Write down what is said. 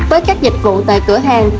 với các dịch vụ tại cửa hàng